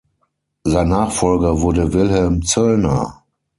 Sein Nachfolger wurde Wilhelm Zoellner.